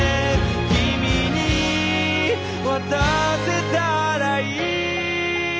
「君に渡せたらいい」